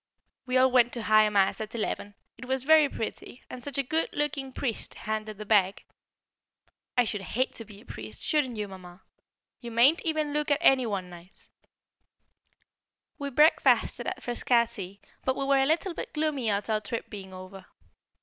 We all went to High Mass at eleven; it was very pretty, and such a good looking priest handed the bag. I should hate to be a priest; shouldn't you, Mamma? You mayn't even look at any one nice. We breakfasted at Frascati, but we were a little bit gloomy at our trip being over.